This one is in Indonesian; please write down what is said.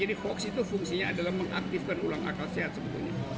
jadi hoax itu fungsinya adalah mengaktifkan ulang akal sehat sebetulnya